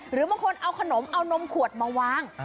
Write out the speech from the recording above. หรือบางคนเอาขนมเอานมขวดมาวาง